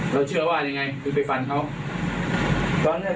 เราเชื่อว่าอันยังไงก็เพื่อฟันเขา